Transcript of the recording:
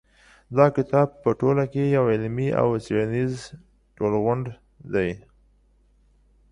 دا کتاب په ټوله کې یو علمي او څېړنیز ټولغونډ دی.